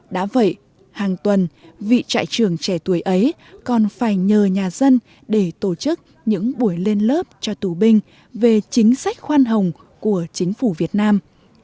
đã vậy hàng tuần vị trại trường trẻ tuổi ấy còn phải nhờ nhà dân để tổ chức những buổi lên lớp cho tù binh về chính sách khoan hồng của chính phủ việt nam